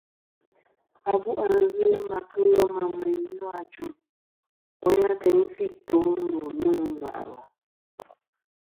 Abu' a ghɨ ma kɨ lema meyn nô ajuŋ, woyn a ateyn fi tò' ndu nô ŋwà'lɨ.